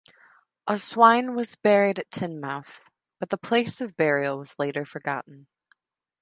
Oswine was buried at Tynemouth, but the place of burial was later forgotten.